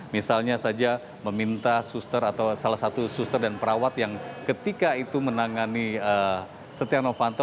misalnya saja meminta suster atau salah satu suster dan perawat yang ketika itu menangani setia novanto